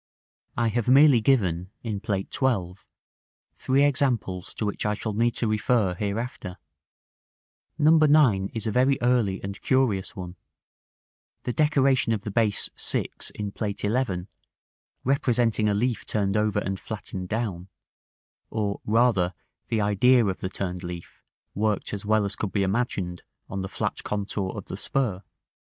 I have merely given, in Plate XII., three examples to which I shall need to refer, hereafter. No. 9 is a very early and curious one; the decoration of the base 6 in Plate XI., representing a leaf turned over and flattened down; or, rather, the idea of the turned leaf, worked as well as could be imagined on the flat contour of the spur.